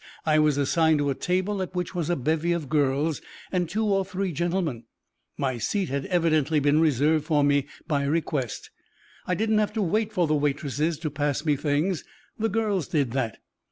I was assigned to a table at which was a bevy of girls and two or three gentlemen. My seat had evidently been reserved for me by request. I didn't have to wait for the waitresses to pass me things, the girls did that.